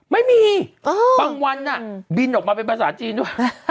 ไม่มีบางวันบินออกมาเป็นภาษาจีนด้วย